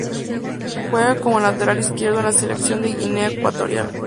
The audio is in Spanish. Juega como lateral izquierdo en la selección de Guinea Ecuatorial.